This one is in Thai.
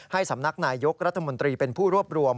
สำนักนายยกรัฐมนตรีเป็นผู้รวบรวม